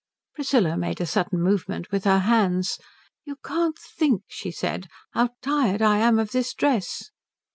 Priscilla made a sudden movement with her hands. "You can't think," she said, "how tired I am of this dress."